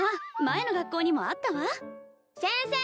前の学校にもあったわ先生！